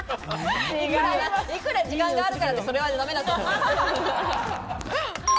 いくら時間があるからって、それはダメだと思う。